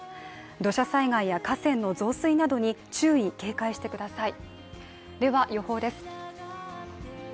土砂災害や河川の増水などに注意、警戒してください。